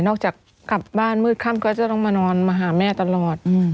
ออกจากกลับบ้านมืดค่ำก็จะต้องมานอนมาหาแม่ตลอด